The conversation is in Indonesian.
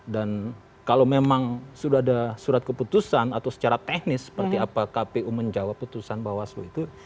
dan kalau memang sudah ada surat keputusan atau secara teknis seperti apa kpu menjawab keputusan bawaslu itu